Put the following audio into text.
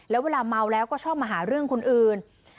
แล้วเวลาเมาแล้วก็ชอบมาหาเรื่องคนอื่น